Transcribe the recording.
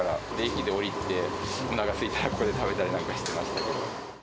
駅で降りて、おなかすいたら、ここで食べたりなんかしてましたから。